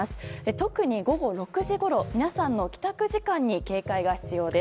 特に午後６時ごろ皆さんの帰宅時間に警戒が必要です。